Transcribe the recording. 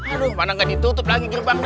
aduh mana nggak ditutup lagi gerbang